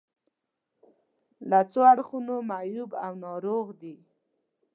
له څو اړخونو معیوب او ناروغ دي.